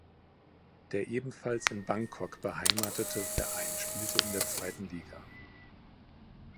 Der ebenfalls in Bangkok beheimatete Verein spielte in der zweiten Liga.